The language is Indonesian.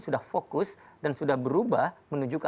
sudah fokus dan sudah berubah menuju ke